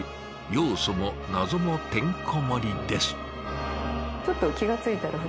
要素もナゾもてんこ盛りです。